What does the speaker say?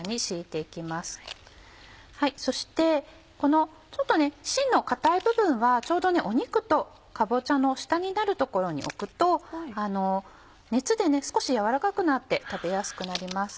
はいそしてこのちょっとしんの硬い部分はちょうど肉とかぼちゃの下になる所に置くと熱で少し軟らかくなって食べやすくなります。